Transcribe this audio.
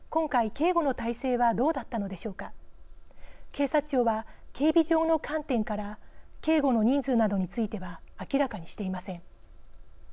警察庁は警備上の観点から警護の人数などについては明らかにしていません。